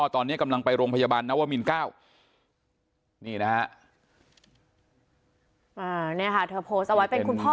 ตอนนี้กำลังไปโรงพยาบาลนวมิน๙นี่นะฮะเธอโพสต์เอาไว้เป็นคุณพ่อ